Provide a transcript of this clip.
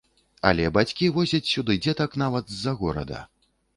Але бацькі возяць сюды дзетак нават з-за горада.